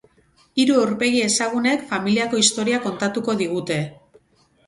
Hiru aurpegi ezagunek familiako historia kontatuko digute.